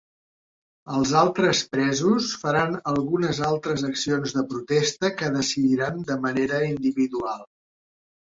Els altres presos faran algunes altres accions de protesta que decidiran de manera individual.